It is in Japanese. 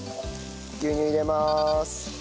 牛乳入れまーす。